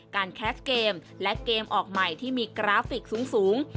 แคสเกมและเกมออกใหม่ที่มีกราฟิกสูง